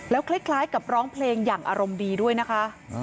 คล้ายกับร้องเพลงอย่างอารมณ์ดีด้วยนะคะ